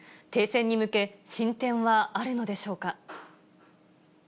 停戦に向け、進展はあるのでしょうか。